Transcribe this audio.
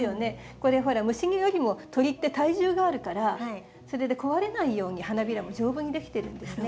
これほら虫よりも鳥って体重があるからそれで壊れないように花びらも丈夫にできてるんですね。